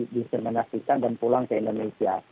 diseminasikan dan pulang ke indonesia